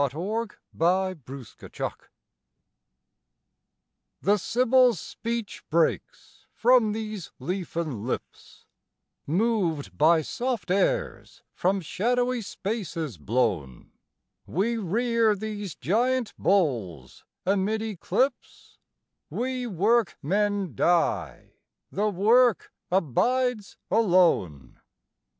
UNDER THE BEECHES. The sibyl's speech breaks from these leafen lips, Moved by soft airs from shadowy spaces blown: "We rear these giant boles amid eclipse, We workmen die, the work abides alone."